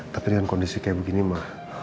tapi dengan kondisi kayak begini mah